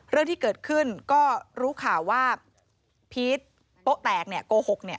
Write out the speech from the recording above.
เรื่องที่เกิดขึ้นก็รู้ข่าวว่าพีชโป๊ะแตกโกหก